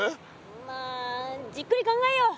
まあじっくり考えよう！